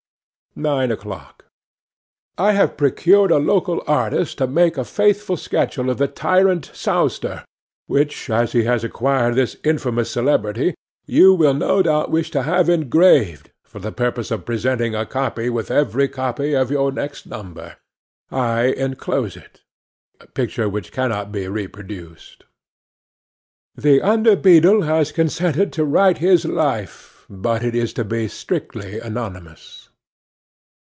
'Nine o'clock. 'I have procured a local artist to make a faithful sketch of the tyrant Sowster, which, as he has acquired this infamous celebrity, you will no doubt wish to have engraved for the purpose of presenting a copy with every copy of your next number. I enclose it. [Picture: The Tyrant Sowster] The under beadle has consented to write his life, but it is to be strictly anonymous.